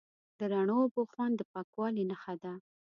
د رڼو اوبو خوند د پاکوالي نښه ده.